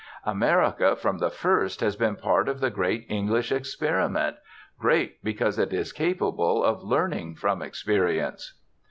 America from the first has been part of the great English experiment great because it is capable of learning from experience.